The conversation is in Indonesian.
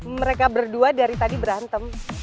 mereka berdua dari tadi berantem